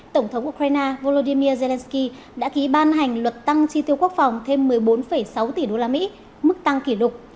tổng thống ukraine volodymyr zelensky đã ký ban hành luật tăng chi tiêu quốc phòng thêm một mươi bốn sáu tỷ usd mức tăng kỷ lục